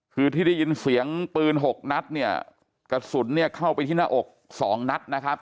คือที่ได้ยินเสียงปืนหกนัดเนี่ยกระสุนเนี่ยเข้าไปที่หน้าอกสองนัดนะครับ